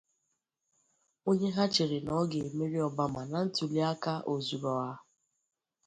onye ha chere na ọ ga-emeri Obama na ntụli aka ozuru ọha.